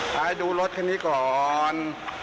ซ้ายดูรถแบบนี้ก่อน